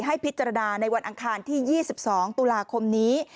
ให้พิจารณาในวันอังคารที่๒๒ตุลาคมนี้